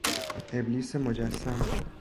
ابلیس مجسم